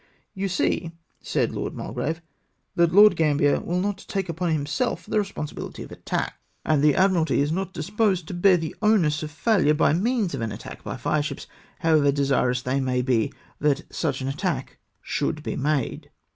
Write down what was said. You see," said Lord Mulgrave, " that Lord Gambler will not take upon himself the rcsponsibihty of attack, ANXIETY OF GOVERNMENT. 343 and the Admiralty is not disposed to bear the onus of faihire by means of an attack by fire ships, liowever de sirous they may be that such attack should be made."